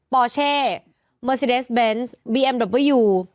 ปอเช่เมอร์ซีเดสเบนส์บีเอ็มดับเบอร์ยู